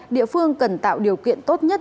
địa phương cần tạo điều kiện tốt nhất